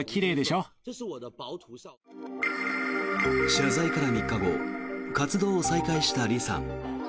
謝罪から３日後活動を再開したリさん。